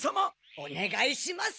おねがいします！